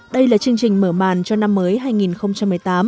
đây là chương trình mở màn cho năm mới hai nghìn một mươi tám